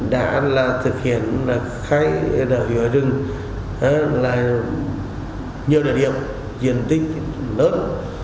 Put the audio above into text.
đã thực hiện khai hứa rừng ở nhiều địa điểm diện tích lớn